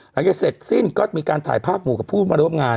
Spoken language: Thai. เสร็จสิ้นก็มีการถ่ายภาพหมู่กับผู้มาร่วมงาน